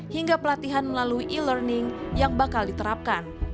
hingga pelatihan melalui e learning yang bakal diterapkan